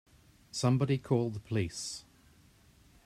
Somebody call the police!